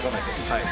はい。